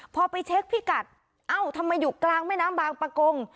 พอไปเช็คพิกัดเอ้าทำไมอยู่กลางแม่น้ำบางประกง